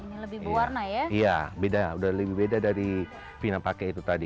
iya lebih berwarna ya iya beda udah lebih beda dari vina pakai itu tadi